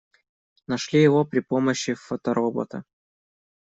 Нашли его при помощи фоторобота.